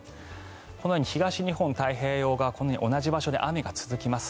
このように東日本太平洋側は同じ場所で雨が続きます。